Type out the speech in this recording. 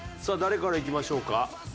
さあ誰からいきましょうか？